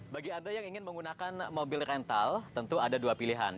bagi anda yang ingin menggunakan mobil rental tentu ada dua pilihan